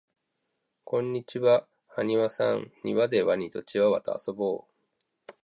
こんにちははにわさんにわでワニとチワワとあそぼう